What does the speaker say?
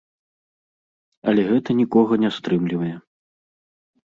Але гэта нікога не стрымлівае.